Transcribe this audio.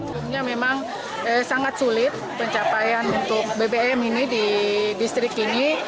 sebenarnya memang sangat sulit pencapaian untuk bbm ini di distrik ini